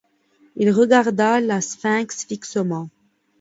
Il regarda le sphinx fixement.